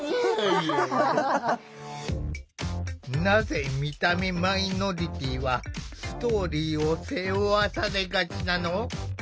なぜ見た目マイノリティーはストーリーを背負わされがちなの？